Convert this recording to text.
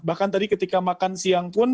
bahkan tadi ketika makan siang pun